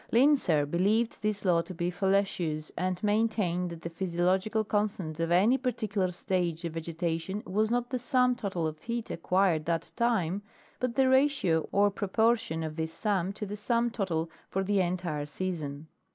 Linsser beheved this law to be fallacious and main tained that the physiological constant of any particular stage of vegetation was not the sum total of heat acquired that time, but the ratio or proportion of this sum to the sum total for the entire season.